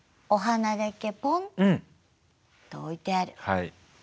はい。